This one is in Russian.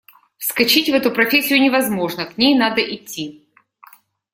Вскочить в эту профессию невозможно, к ней надо идти.